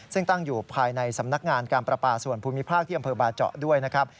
ซึ่งตั้งอยู่ภายในสำนักงานการประปาส่วนภูมิภาคที่อำเภอบาเจาะด้วยนะครับ